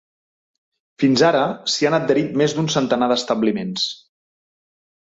Fins ara, s’hi han adherit més d’un centenar d’establiments.